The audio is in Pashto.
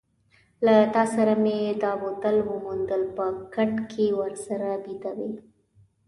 له تا سره مې دا بوتل وموندل، په کټ کې ورسره بیده وې.